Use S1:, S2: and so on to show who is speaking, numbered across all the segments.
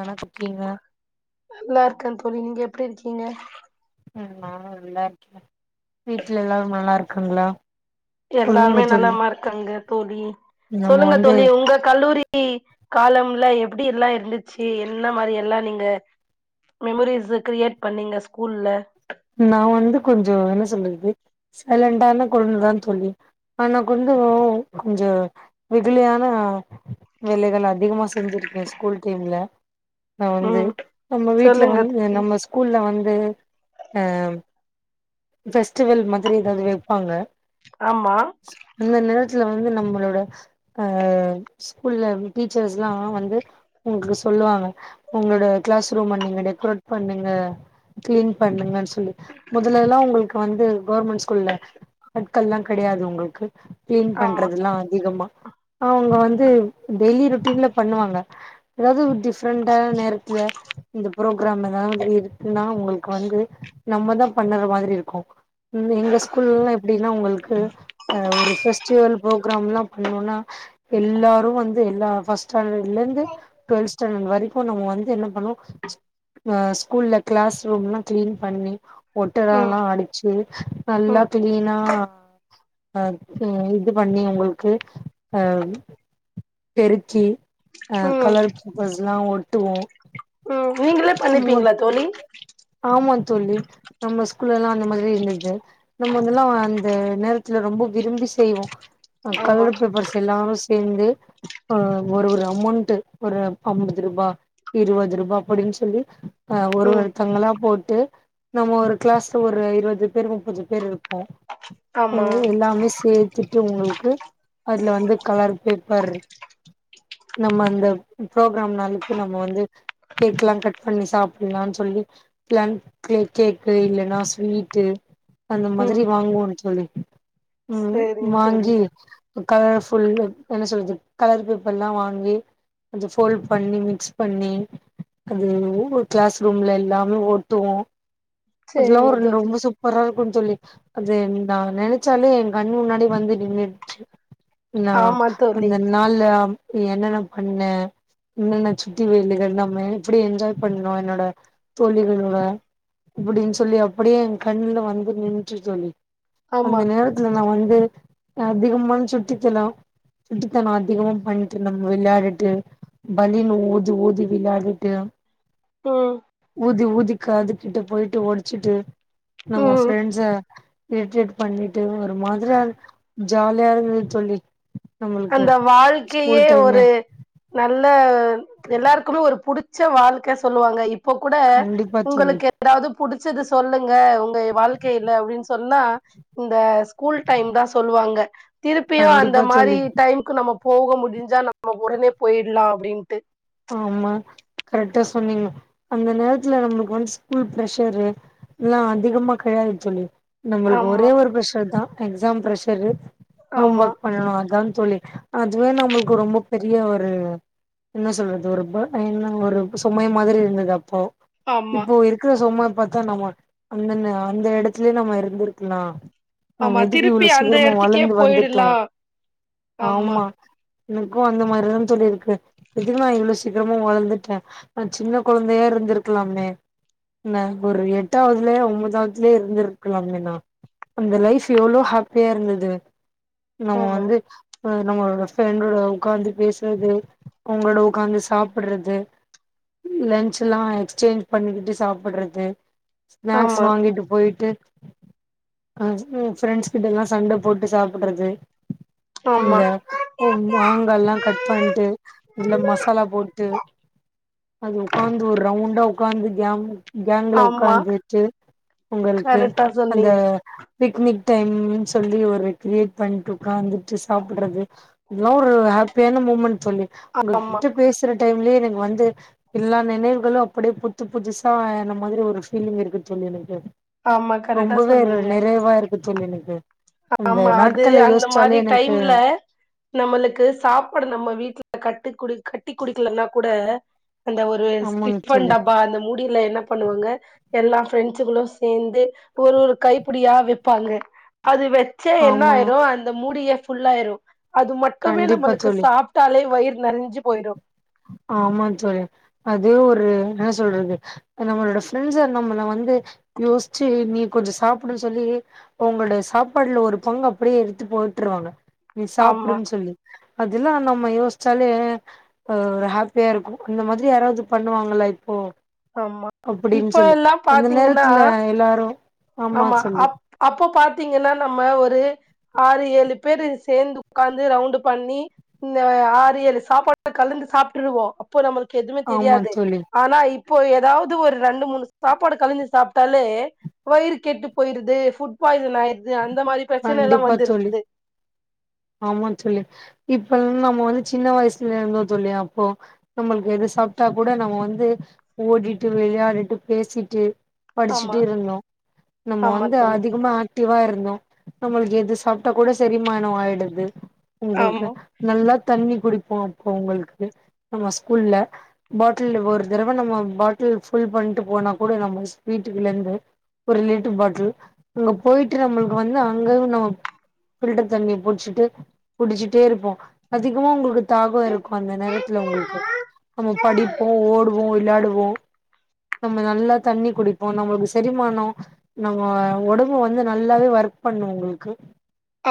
S1: ஆனா புக்கீங்கு
S2: நல்லாருக்கந் தோழி நீங்க எப்புடி இருக்கீங்க
S1: ம் நானு நல்லாருக்க வீட்ல எல்லாரு நல்லா இருக்காங்களா சொல்லுங்க
S2: எல்லாமே
S1: தோழி
S2: நலமா இருக்காங்க தோழி
S1: நம்ம
S2: சொல்லுங்க
S1: வந்து
S2: தோழி உங்கக் கல்லூரி காலம்ல எப்புடி எல்லா இருந்துச்சு என்ன மாரி எல்லா நீங்க மெமரிஸ்ஸு க்ரியேட் பண்ணீங்க ஸ்கூல்ல
S1: நா வந்து கொஞ்சோ என்ன சொல்றது சைலண்டான கொழந்ததாந் தோழி ஆனா கொஞ்சோ கொஞ்சோ வெகுலியான வேலைகளா அதிகமா செஞ்சுருக்க ஸ்கூல் டைம்ல நா வந்து
S2: ம்
S1: நம்ம வீட்ல
S2: சொல்லுங்க
S1: வந்து
S2: தோழி
S1: நம்ம ஸ்கூல்ல வந்து ஏம் பெஸ்ட்டுவெல் மாதிரி எதாவது வெப்பாங்க
S2: ஆமா
S1: சோ அந்த நேரத்துல வந்து நம்மளோட அ ஸ்கூல்ல டீச்சர்ஸ்ல்லா வந்து உங்களுக்கு சொல்லுவாங்க உங்களோட கிளாஸ் ரூம நீங்க டெக்ரேட் பண்ணுங்க கிளீன் பண்ணுங்கன் சொல்லி மொதல்ல எல்லா உங்களுக்கு வந்து கவர்மெண்ட் ஸ்கூல்ல கள்லா கெடையாது உங்களுக்கு கிளீன்
S2: ஆமா
S1: பண்றதுல்லா அதிகமா அவங்க வந்து டெய்லி ரொட்டீன்ல பண்ணுவாங்க எதாவது ஒரு டிப்ரெண்டான நேரத்துல இந்த புரோகுராமு எதாவது இருக்குன்னா அப்ப வந்து நம்மதா பண்ணற மாரி இருக்கு இந்த எங்க ஸ்கூல்லலா எப்டின்னா உங்களுக்கு ஒரு அ ஃபஸ்ட் ட்ரியல் புரோகுராமெல்லா பண்ணோன்னா எல்லாரு வந் து எல்லா ஃபஸ்ட் ஸ்டேண்டடுல இருந்து டுவெல்த் ஸ்டேண்டடு வரைக்கு நம்ம வந்து என்ன பண்ணுவோ அ ஸ்கூல்ல கிளாஸ் ரூம்லா கிளீன் பண்ணி ஒட்டட
S2: ம்
S1: எல்லா அடுச்சு நல்லா
S2: ம்
S1: கிளீனா அ இது பண்ணி உங்களுக்கு அ பெருக்கி அ
S2: ம்
S1: கலர் பேப்பர்ஸ் எல்லா ஒட்டுவோ
S2: ம் நீங்களே பண்ணிப்பீங்களா தோழி
S1: ஆமா தோழி நம்ம ஸ்கூல்ல எல்லா அந்த மாதிரி இருந்துது நமக்கெல்லா அந்த நேரத்துல ரொம்போ விரும்பி செய்வோ அ
S2: ஆமா
S1: கலர் பேப்பர்ஸ் எல்லாரு சேர்ந்து அ ஒரு ஒரு அமௌண்ட் ஒரு அம்பது ரூபா இருவது ரூபா அப்படின் சொல்லி அ ஒரு
S2: ம்
S1: வ த்தங்களா போட்டு நம்ம ஒரு கிளாஸ்ல ஒரு இருவது பேர் முப்பது பேர் இருப்போ
S2: ஆமா
S1: உள்ள எல்லாமே சேர்த்துட்டு உங்ளுக்கு அதுல வந்து கலர் பேப்பர் நம்ம அந்த பரோக்ராம் நாளுக்கு நம்ம வந்து கேக்லா கட் பண்ணி சாப்புலான் சொல்லி பிளன்க்ல கேக்கு இல்லன்னா ஸ்வீட்டு அந்த
S2: ம்
S1: மாரி வாங்குவோன் தோழி ம்
S2: சேரிங்க தோழி
S1: வாங்கி ப்போ க ஃபுல் என்ன சொல்றது கலர் பேப்பர்லா வாங்கி கொஞ்சொ ஃபோல் பண்ணி மிக்ஸ் பண்ணி அது ஒரு கிளாஸ் ரூம்ல எல்லா இது ஒட்டுவோ கொஞ்சொ
S2: சேரிங்க
S1: அரு
S2: தோழி
S1: ரொம்ப சூப் பரா இருக்குன்னு சொல்லி அது நா நெனைச்சாலே எ கண்ணு முன்னாடி வந்து நின்டுச்சு நா
S2: ஆமா தோழி
S1: அந்த நாள்ல என்னன்ன பண்ண என்னன்ன சுத்தி வேலைகள் நம்ம எப்டி என்ஜாய் பண்ணோ என்னோட தோழிகளோட அப்டின் சொல்லி அப்டியே என் கண்ணுல வந்து நின்ச்சு தோழி அந்த
S2: ஆமா
S1: நேரத்துல நா வந்து நா அதிகமான சுட்டித்தனோ சுட்டித்தனோ அதிகமா பணிட்டு இருந்தே விளையாடிட்டு பலீன் ஊதி ஊதி விளயாடிட்டு
S2: ம்
S1: ஊதி ஊதி காதுக்கிட்ட போயிட்டு ஒடச்சுட்டு நம்ம
S2: ம்
S1: ஃப்ரெண்ஸ இரிட்டேட் பண்ணிட்டு ஒரு மாதிரி அது ஜாலியா இருந்துது தோழி நம்மளுக்கு
S2: அந்த வாழ்க்கையே
S1: ஸ்கூல் டைமே
S2: ஒரு நல்ல எல்லாருக்குமே ஒரு புடிச்ச வாழ்க்க சொல்லுவாங்க இப் இப்ப கூட
S1: கண்டிப்பா தோழி
S2: உங்களுக்கு எதாவ்து புடிச்சது சொல்லுங்க உங்க வாழ்க்கைல அப்டின் சொன்னா இந்த ஸ்கூல் டைம் தா சொல்லுவாங்க திருப்பியு அந்த
S1: கண்டிப்பா
S2: மாரி
S1: தோழி
S2: டைம்க்கு நம்ம போக முடிஞ்சா நம்ம ஒடனே போயிடலா அப்டின்ட்டு
S1: ஆமா கரெக்டா சொன்னீங்க அந்த நேரத்துல நமக்கு வந்து ஸ்கூல் ப்ரஷர் எல்லா அதிகமா கெடையாது தோழி நம்மளுக்கு
S2: ஆமா
S1: ஒரே ஒரு பிரஷர் தா எக்ஸாம் ப்ரெஷர் ஹோம்
S2: ஆமா
S1: ஒர்க் பண்ணனு அதான் தோழி அதுவே நம்மளுக்கு ரொம்ப பெரிய ஒரு என்ன சொல்றது அது ஒரு போ என்ன ஒரு சுமை மாதிரி இருந்தது அப்போ
S2: ஆமா
S1: இப்போ இருக் குற சுமய பாத்தா நம்ம அந்தந்த அந்த எடத்துலே நம்ம இருந்துருக்லா நம்ம
S2: ஆமா
S1: எதுக்கு
S2: திருப்பி
S1: இவ்ளோ
S2: அந்த
S1: சீக்கரமா
S2: எடத்துக்கே
S1: வளந்து வந்துட்டோ
S2: போயிடலா
S1: ஆமா எனக்கு அந்த மாரிதா தோழி இருக்கு இதுக்கு நா இவ்ளோ சீக்ரமா வளந்துட்ட நா சின்ன கொழந்தையா இருந்துருக்கலாமே ந ஒரு எட்டாவ்துலே ஒம்பதாவ்துலே இருந்திருக்கலாமே நா அந்த லைஃப் எவ்ளோ ஹாப்பியா இருந்துது நம்ம
S2: ஆமா
S1: வந்து அ நம்மளோட ஃபரெண்டோட ஒக்காந்து பேசனது அவுங்களோட ஒக்காந்து சா சாப்புறது லன்ச்சுலா எக்ஸ்சேஞ்ச் பண்ணிக்கிட்டு சாப்பட்றது ஸ்னாக்ஸ் வாங்கிட்டு போய்ட்டு அது ம் ஃபரெண்ட்ஸ் கிட்டல்லா சண்ட போட்டு சாப்புட்றது
S2: ஆமா
S1: இந்த ஒ
S2: ஆமா
S1: மாங்காலா கட் பண்ட்டு இல்ல மசா சாலா போட்டு அது ஒக்காந்து ஒரு ரவுண்டா ஒக்காந்து கேங் கேங்ல
S2: ஆமா
S1: ஒக்காந்துட்டு ஒங்கள்க்கு
S2: கரெக்டா
S1: அந்த
S2: சொன்னீங்க
S1: பிக்னிக் டைம்னு சொல்லி ஒரு கிரியேட் பண்ட்டு ஒக்காந்துட்டு சாப்புட்றது இதலா ஒரு ஹாப்பியான மூமெண்ட் தோழி
S2: அ அம்மா
S1: உங்ககிட்ட பேசுற டைம்லே எனக்கு வந்து எல்லா நெனைவுகளு அப்டியே புத்த புதுசா ஆன மாரி ஒரு ஃபீலிங் இருக்கு தோழி எனக்கு
S2: ஆமா கரெக்டா
S1: ரொம்பவே
S2: சொன்னீங்க.
S1: நிறைவா இருக்கு தோழி எனக்கு அந்த
S2: ஆமா அது
S1: நாட்கள
S2: அந்த மாரி
S1: யோசிச்சாலே எனக்கு
S2: டைம்ல நம்மளுக்கு சாப்பாடு நம்ம வீட்ல கட்டு குடி கட்டி குடிக்கலன்னா கூட அந்த ஒரு [unintelligible]
S1: ஆமாங்க
S2: ஸ்டிப்பன்
S1: தோழி
S2: டப்பா அந்த மூடி முடிவில என்ன பண்ணுவாங்க எல்லா பரெண்சுகளு சேந்து ஒரு ஒரு கைப்புடியா வெப்பாங்க அது வெச்சா
S1: ஆமா
S2: என்னாயிரு அந்த மூடியே ஃபுல்லாயிரு அது மட்டுமே
S1: கண்டிப்பா
S2: நம்மளுக்கு
S1: தோழி
S2: சாப் டாலே வயிறு நெரஞ்சு போய்ரு
S1: ஆமா தோழி அது ஒரு என்னா சொல்றது நம்மளோட ஃப்ரெண்ட்ஸ் நம்மள வந்து யோஸ்ச்சு நீ கொஞ்சோ சாப்டுன் சொல்லி ஒங்களோடய சாப்பாடுல ஒரு பங்கு அப்டியே எடுத்து போட்றுவாங்க நீ
S2: ஆமா
S1: சாப்டுன்னு சொல்லி அதுல்லா நம்ம யோஸ்ச்சாலே அ ஹாப்பியா இருக்கு இந்த மாரி யாராவது பண்ணுவாங்களா இப்போ
S2: ஆமா.
S1: அப்டின்னு
S2: இப்ப
S1: சொல்லி
S2: எல்லா
S1: அந்த
S2: பாத்தீங்கன்னா
S1: நேரத்துல எல்லாரு
S2: ஆமா அப் அப்போ பாத்தீங்கன்னா நம்ம ஒரு ஆறு ஏழு பேரு சேந்து உட்காந்து ரவுண்டு பண்ணி இந்த ஆறு ஏலு சாப்பாட கலந்து சாப்பிற்டுவோ அப்ப நம்மளுக்கு எதுவுமே
S1: ஆமா
S2: தெரியாது
S1: தோழி
S2: ஆனா இப் இப்போ ஏதாவது ஒரு ரெண்டு மூணு சாப்பாடு கலந்து சாப்ட்டாலே வயிறு கெட்டு போய்ருது ஃபுட் பாய்சன் ஆயிருது அந்த மாரி பிரச்சன எல்லா
S1: கண்டிப்பா
S2: வந்துருது
S1: தோழி ஆமா தோழி இப்ப நம்ம வந்து சின்ன வயசுல இருந்தோ தோழி அப்போ நம்மளுக்கு எது சாப்ட்டாகூட நம்ப வந்து ஓடிட்டு விளயாடிட்டு பேசிட்டு
S2: ஆமா
S1: படிச்சுட்டே இருந்தோ நம்ம
S2: ஆமா
S1: வந்து
S2: தோழி
S1: அதிகமா ஆக்டிவா இருந்தோ நம்மளுக்கு எது சாப்ட்டா கூட செரிமானோ ஆயிடுது
S2: ஆமா
S1: உங்கள்க்கு நல்லா தண்ணி குடிப்போ அப்போ உங்கள்க்கு நம்ப ஸ்கூல்ல பாட்டில்டு ஒரு தடவ நம்ம பாட்டில் ஃபுல் பண்ட்டு போனா கூட நம்ம வீட்டுக்குலந்து ஒரு லிட்டர் பாட்டில் அங்க போய்ட்டு நம்ள்க்கு வந்தா அங்கயும் நம்மக்கு பில்டர் தண்ணிய புடிச்சுட்டு குடிச்சிட்டே இருப்போ அதிகமா உங்களுக்கு தாகம் இருக்கு அந்த நேரத்துல உங்களுக்கு நம்ம படிப்போ ஓடுவோ விளயாடுவோ நம்ம நல்லா தண்ணி குடிப்போ நம்மளுக்கு செரிமானோ நம்ம ஒடம்பு வந்து நல்லாவே ஒர்க் பண்ணு உங்களுக்கு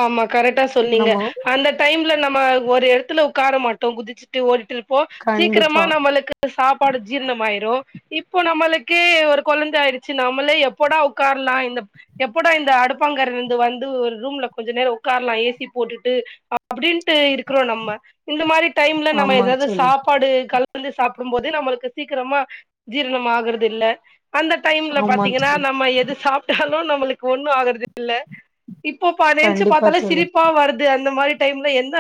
S2: ஆமா கரெக்டா சொன்னீங்க
S1: நம்ம
S2: அந்த டைம்ல நம்ம ஒரு இடத்துல உட்கார மாட்டோ குதிச்சு ஓடிட்டு இருப்போ சீக்கிரமா
S1: கண்டிப்பா
S2: நம்மளுக்கு சாப்பாடு ஜீரணம் ஆயிரு இப்போ நம்மளுக்கு ஒரு கொழந்தை ஆயிடுச்சு நம்மளே எப்போடா உட்காரலா இந்த எப்படா இந்த அடுப்பங்கரயில இருந்து வந்து ஒரு ரூம்ல கொஞ்சோ நேரோ உட்காரலா ஏசி போட்டுட்டு அப்டின்ட்டு இருக்குறோ நம்ம இந்த மாரி டைம்ல நம்ம
S1: ஆமா
S2: ஏதாவது சாப்
S1: தோழி
S2: சாப்பாடு கலந்து சாப்டும் போது நம்மளுக்கு சீக்கிரமா ஜீரணம் ஆகுறது இல்ல அந்த டைம்ல
S1: ஆமா
S2: பாத்தீங்கன்னா
S1: தோழி
S2: நம்ம எது சாப்பிட்டாலு நம்மளுக்கு ஒண்ணு ஆகுறது இல்ல இப்போ நெனைச்சு
S1: கண்டிப்பா
S2: பாத்தாலே
S1: தோழி
S2: சிரிப்பா வருது அந்த மாரி டைம்ல எந்த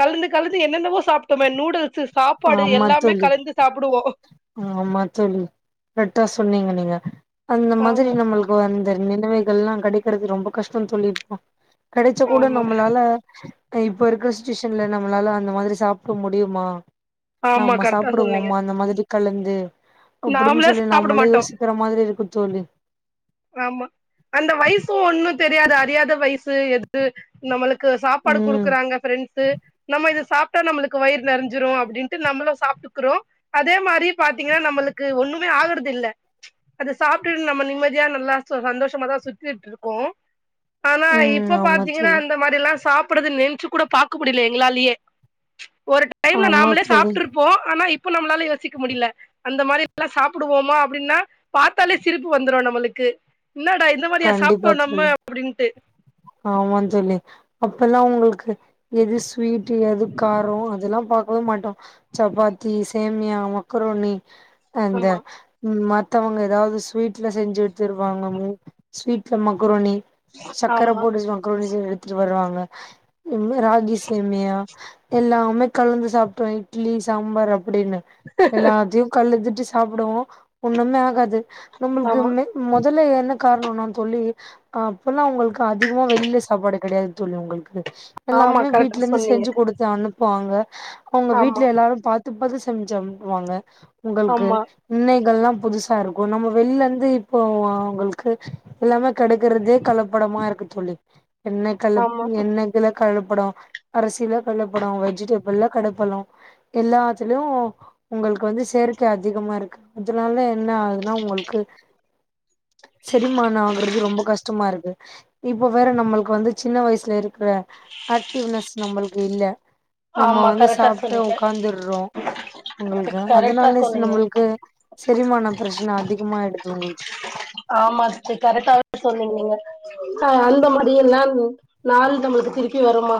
S2: கலந்து கலந்து என்னென்னவோ சாப்ட்டோமே நூடுல்ஸ் சாப்பாடு
S1: ஆமா
S2: எல்லாமே
S1: தோழி
S2: கலந்து சாப்டுவோ
S1: ஆமா தோழி கரெக்டா சொன்னீங்க நீங்க அந்த மாதிரி
S2: ஆமா
S1: நம்மளுக் இப்ப அந்த நினைவைகள்லா கெடைக்கிறது ரொம்ப கஷ்டோ தோழி இப்ப கடைச்சாக் கூட
S2: ஆமா
S1: நம்மளால இப்ப இருக்கிற சுச்சுவேஷன்ல நம்மளால அந்த மாதிரி சாப்புட முடியுமா
S2: ஆமா
S1: நம்ம
S2: கரெக்டா சொன்னீங்க
S1: சாப்புடுவோம்மா அந்த மாதிரி கலந்து அப்டின்னு
S2: நாமளே
S1: சொல்லி
S2: சாப்ட
S1: நம்மல்லே
S2: மாட்டோ
S1: யோசிக்கிற மாதிரி இருக்கூ தோழி
S2: ஆமா அந்த வயசூ ஒண்ணூ தெரியாது அறியாத வயசு எது நம்மளுக் கு சாப்பாடு
S1: ம்
S2: கொடுக்குறாங்க பிரெண்ட்ஸூ நம்ம இதெ சாப் ட்டா நம்முளுக்கு வயிறு நெறஞ்ஞிரூ அப்பின்ட்டு நம்மள சாப்ட்டுக்குறோ அதே மாதிரி பாத்தீங்கன்னா நம்மளுக்கு ஒண்ணுமே ஆகுறது இல்ல அதை சாப்பிட்டு நம்ம நிம்ம மத்தியானலா ஒ சந்தோஷமா தா சுத்திட்டு இருக்கோ ஆனா
S1: ம்
S2: இப்ப
S1: ஆமா
S2: பாத்தீங்கனா
S1: தோழி
S2: அந்த மாரித் இதெல்லாம் சாப்பிட்றது நின்ச்சு கூட பார்க்க முடியல எங்களாலயே ஒரு டைம்ல
S1: ஆமா
S2: நாமளே
S1: தோழி
S2: சாப்ட்டுருப் ப்ப ஆனா இப்ப நம்மளால யோசிக்க முடியல அந்த மாரில்லா சாப்பிடுவோம்மா அப்டின்னா பார்த்தாலே சிரிப்பு வந்துரூ நம்மளுக் க்கு என்னடா இந்த மாதிரியா சாப்ட்டோ நம்ம அப்படின்ட்டு
S1: ஆமாந் தோழி அப்பெல்லா உங்களுக்கு எது ஸ்வீட்டு எது காரோ அதெல்லா பாக்கவே மாட்டோ சப்பாத்தி சேமியா மக்கரோன்னி அந்த
S2: ஆமா
S1: ம் மத்தவங்க ஏதாவது ஸ்வீட்ல செஞ்சு வெச்சிருபாங்க ஸ்வீட்ல மக்ரோணி சக்கர
S2: ஆமா
S1: போட்டு சக்கரோனி செய்ஞ் எடுத்துட்டு வராங்க ராகி சேமியா எல்லாமே கலந்து சாப்பிட்டறோ இட்லி சாம்பார் அப்டின்னு எல்லாத்தையூ கல் எட்திட்டு சாப்பிடுவோ ஒண்ணுமே ஆகாது நம்மளுக்கு
S2: ஆமா
S1: மொதல்ல என்ன காரணோன்னா தோழி அப் இப்பல்லா உங்களுக்கு அதிகமா வெளியில சாப்பாடு கிடையாது தேலி உங்களுக்கு
S2: ஆமா
S1: எல்லாமே
S2: கரெக்டா
S1: வீட்ல இருந்து
S2: சொன்னீங்க
S1: செஞ்சு கொடுத் து அனுப்புவாங்க அவங்க
S2: ஆமா
S1: வீட்டுல எல்லாரரூ பார்த்து பார்த்து சம்ச்சு அனுப்புவாங்க உங்கள்க்கு
S2: ஆமா
S1: இன்னைக் கெல்லாம் புதுசா இருக்கூ நம்ம வெள்ர்ந்து இப்போ வோ அவுங்களுக்கு எல்லாமே கெடைக்கற்த்து கலப்படமா இருக்கு தோழி என்ன கலப்
S2: ஆமா
S1: என்ன இதுல கலப்படோ அரிசியில கலப்படோ வெஜிடபிள்ல கலப்படோ எல்லாத்துலயூ உங்களுக்கு வந்து செயற்கை அதிகமா இருக்கு அதனால என்ன ஆகுதுன்னா உங்களுக்கு செரிமானோ ஆகறத்து ரொம்ப கஷ்டமா இருக்கு இப்ப வேற நம்மளுக்கு வந்து சின்ன வயசுல இருக்கிற ஆக்டிவ்னஸ் நம்பள்க்கு இல்ல நம்ம
S2: ஆமா
S1: வந்து
S2: கரெக்டா
S1: சாப்ட்டு
S2: சொன்னீங்க
S1: உக்காந்துறோ உங்களுக்கு
S2: கரெக்டா
S1: அதனால
S2: சொன்னீங்க
S1: நம்மள்க்கு செரிமானோ பிரச்சன அதிகமாயிடுது உங்கள்க்கு
S2: ஆமா சிஸ்டர் கரெக்டாதா சொன்னீங்க நீங்க ஆ அந்த மாரித்தெல்லா நாள் நம்பள்க்கு திருப்பி வருமா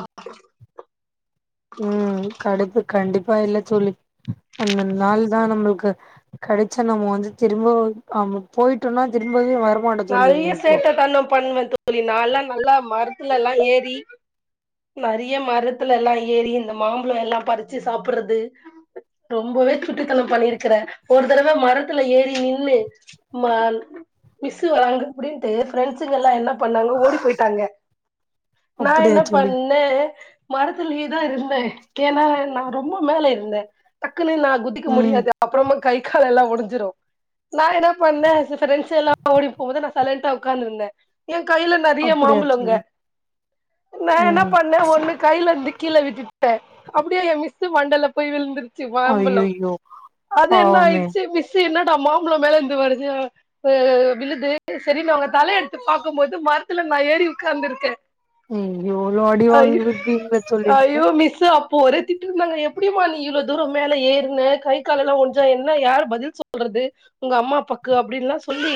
S1: ம் கடுப்பு கண்டிப்பா இல்ல தோழி அந்த நாள் தா நம்ள்க்கு கடச்சா நம்ம வந்து திரும்ப நம்ப போய்ட்டோனா திரும்பவே வரக்
S2: நெறய சேட்ட தணோ பண்ணுவே தோழி நால்லா நல்லா மரத்துலல்லா ஏறி நெறீய மரத்துலல்லா ஏறி இந்த மாம்பழல்லா பறிச்சு சாப்ட்றது ரொம்பவே சுட்டித்தனோ பண்ணிருக்குறே ஒரு தடவ மரத்துல ஏறி நின்னூ மால் மிஸ் வராங்க அப்டின்டு ஃபிரெண்ஸுங் எல்லா என்ன பண்ணாங்க ஓடி போய்ட்டாங்க நா
S1: அப்படியா
S2: என்ன
S1: தோழி
S2: பண்ணே மரத்துலயேதா இருந்தேன் ஏனா நா ரொம்ப மேல இருந்தேன் டக்குன்னு நா குதிக்க
S1: ம்
S2: முடியாது அப்பறமா கை காலெல்லா ஒடஞ்சிரு நா என்ன பண்ண செரி ஃபிரெண்ஸ்கல்லா ஓடி போவுது நா சைலண்டா உக்காந்திருந்த என் கைல நெறையா
S1: அப்படியா
S2: மாம்பழங்க
S1: தோழி
S2: நா என்ன
S1: ம்
S2: பண்ண ஒண்ணு கைல டிக்கில விட்டுபுட்டேன் அப்டியே என் மிஸ்ஸூ மண்டைல போய் விழுந்து ருச்சி மாம்பழம்
S1: அய்யய்யோ
S2: அது என்ன
S1: பாவமே
S2: ஆயிறுச்சி மிஸ் என்னடா மாம்பழம் மேலிந்து வருது அ விழுது செரினு அவுங்க தல எடுத்து பாக்கும்போது மரத்துல நா ஏறி உக்காந்திருக்க
S1: அய்யோ எவ்ளோ அடி வாங்கிருப்பீங்க சொல்லிருந்தா
S2: மிஸ்ஸூ அப் இப்போ ஒரு திட்டு இருந்தாங்க எப்டிமா நீ இவ்ளோ தூரோ மேலே ஏறுன கை காலெல்லா ஒடஞ்சா என்ன யாரு பதில் சொல்றது உங்க அம்மா அப்பாக்கு அப்டின்ல்லா சொல்லி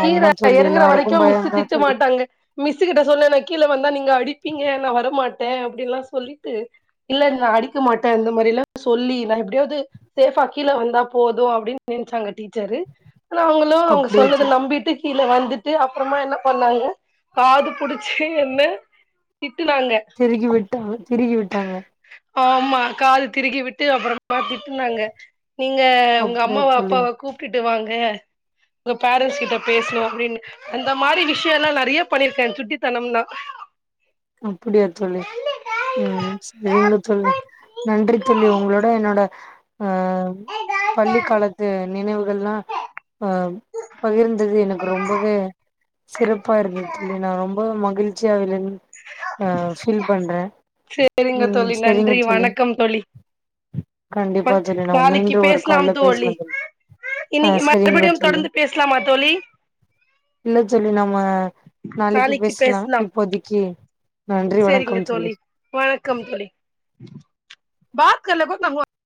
S2: கீழ
S1: தோழி
S2: எறங்கற
S1: எல்லாருக்கு
S2: வரைக்கு மிஸ்ஸூ
S1: பயந்தா
S2: திட்ட
S1: தோழி
S2: மாட்டாங்க மிஸ்ஸு கிட்ட சொன்ன நா கீழ வந்தா நீங்க அடிப்பீங்க நா வரமாட்டேன் அப்டின்னல்லா சொல்லிட்டு இல்ல நா அடிக்க மாட்டன் அந்த மாரியெல்லா சொல்லி நா எப்டியாது சேஃபா கீழ வந்தா போது அப்டின் நெனைச்சாங்க டீச்சரு ஆனா அவுங்க லூ அவுங்க
S1: அப்டியா
S2: சொன்னத
S1: தோழி
S2: நம்பிட்டு கீழ வந்துட்டு அப்றமா என்ன பண்ணாங்க காது புடிச்சி என்ன திட்டுனாங்க
S1: திருகி விட்டா திருகி விட்டாங்க
S2: ஆமா காது திருகி விட்டு அப்றமா திட்டுனாங்க நீங்க உங்க
S1: அப்டியா
S2: அம்மாவ
S1: தோழி
S2: அப்பாவ கூப்டுட்டு வாங்க உங்க பேரண்ஸ் கிட்ட பேசணு அப்டின்னு அந்த மாரி விஷ்யொல்லா நெறையா பண்ணிருக்க சுட்டித்தனம்னா
S1: அப்டியா தோழி ம் சேரிங்க தோழி நன்றி தோழி உங்களோட என்னோட ஆ பள்ளிக் காலத்து நினைவுகள்லா ஆ பகிர்ந்தது எனக்கு ரொம்பவே சிறப்பா இருந்தது தோழி நா ரொம்ப மகிழ்ச்சியாவில் அ ஃபீல் பண்றன்
S2: சேரிங்க தோழி நன்றி வணக்கம் தோழி
S1: கண்டிப்பா
S2: ம்
S1: தோழி நம்ம
S2: நாளைக்கி
S1: மீண்டு ஒரு
S2: பேசலாம்
S1: கால்ல
S2: தோழி
S1: பேசலா ஆ
S2: இன்னைக்கு
S1: சரிங்க
S2: மறுபடியு
S1: தோழி
S2: தொடர்ந்து பேசலாமா தோழி
S1: இல்ல தோழி நம்ம நாளைக்கு பேசலா இப்போதைக்கி
S2: சேரிங்க தோழி வணக்கம் தோழி